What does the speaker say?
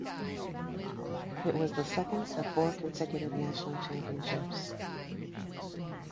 It was the second of four consecutive national championships.